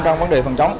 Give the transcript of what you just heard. trong vấn đề phòng chống